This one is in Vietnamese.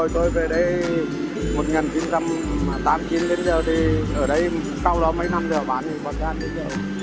tôi về đây một nghìn chín trăm tám mươi chín đến giờ thì ở đây cao đó mấy năm rồi bán thì còn gian đến giờ